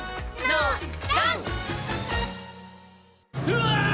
うわ！